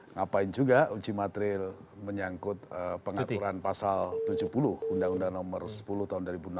ngapain juga uji materil menyangkut pengaturan pasal tujuh puluh undang undang nomor sepuluh tahun dua ribu enam belas